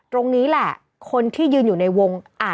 ตรงนี้แหละคนที่ยืนอยู่ในวง